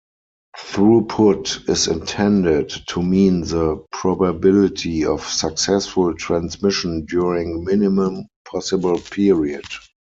Throughput is intended to mean the probability of successful transmission during minimum possible period.